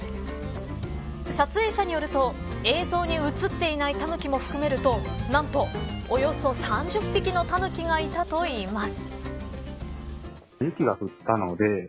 撮影者によると、映像に映っていないタヌキも含めるとなんとおよそ３０匹のタヌキがいたといいます。